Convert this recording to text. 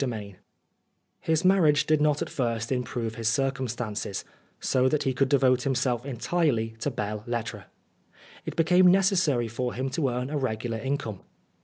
97 IX His marriage did not at first improve his circumstances, so that he could devote himself entirely to belles lettres. It became necessary for him to earn a regular income.